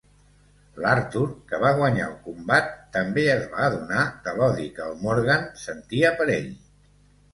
L'Arthur, que va guanyar el combat, també es va adonar de l'odi que el Morgan sentia per ell.